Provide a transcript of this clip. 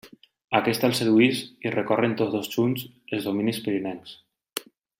Aquesta el sedueix i recorren tots dos junts els dominis pirinencs.